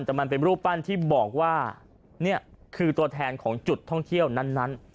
แต่มันเป็นรูปปั้นที่บอกว่านี่คือตัวแทนของจุดท่องเที่ยวนั้น